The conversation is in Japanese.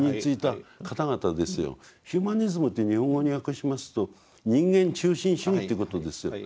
ヒューマニズムって日本語に訳しますと人間中心主義っていうことですよ。